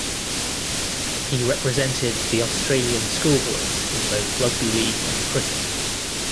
He represented the Australian schoolboys in both rugby league and cricket.